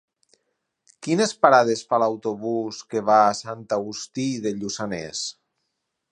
Quines parades fa l'autobús que va a Sant Agustí de Lluçanès?